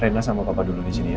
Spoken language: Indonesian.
rena sama papa dulu disini ya